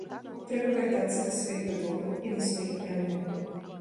Трэба вяртацца да сваіх вытокаў і да сваіх каранёў.